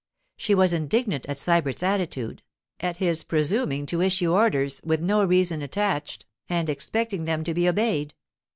She was indignant at Sybert's attitude, at his presuming to issue orders with no reason attached and expecting them to be obeyed.